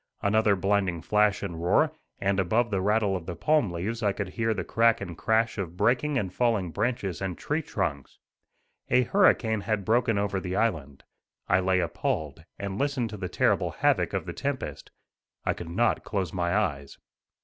Another blinding flash and roar, and, above the rattle of the palm leaves I could hear the crack and crash of breaking and falling branches and tree trunks. A hurricane had broken over the island. I lay appalled, and listened to the terrible havoc of the tempest. I could not close my eyes.